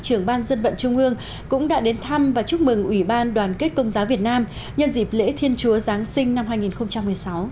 trưởng ban dân vận trung ương cũng đã đến thăm và chúc mừng ủy ban đoàn kết công giáo việt nam nhân dịp lễ thiên chúa giáng sinh năm hai nghìn một mươi sáu